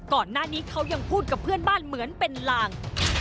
ก่อนหน้านี้เขายังพูดกับเพื่อนบ้านเหมือนเป็นลาง